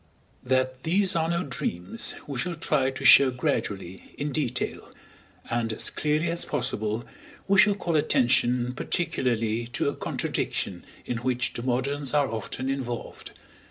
That these are no dreams we shall try to show gradually, in detail, and as clearly as possible, we shall call attention particularly to a contradiction in which the moderns are often involved.